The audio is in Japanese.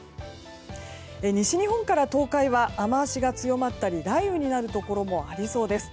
西日本から東海は雨脚が強まったり雷雨になるところもありそうです。